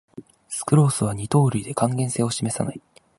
スクロースは二糖類で還元性を示さない